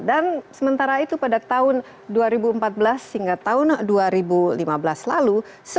dan sementara itu pada tahun dua ribu empat belas hingga tahun dua ribu lima belas lalu